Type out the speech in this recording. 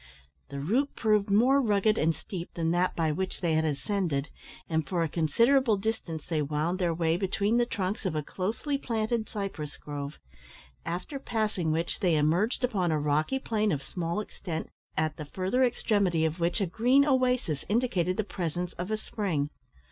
The route proved more rugged and steep than that by which they had ascended, and, for a considerable distance, they wound their way between the trunks of a closely planted cypress grove; after passing which they emerged upon a rocky plain of small extent, at the further extremity of which a green oasis indicated the presence of a spring.